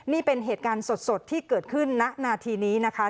นี่เป็นเหตุการณ์สดที่เกิดขึ้นณนาทีนี้นะคะ